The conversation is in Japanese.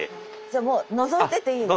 じゃあもうのぞいてていいの？